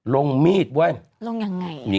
ลงมีดบ้วย